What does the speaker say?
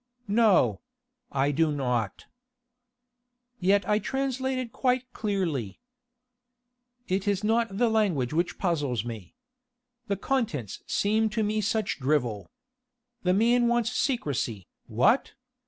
"No. I do not." "Yet I translated quite clearly." "It is not the language that puzzles me. The contents seem to me such drivel. The man wants secrecy, what?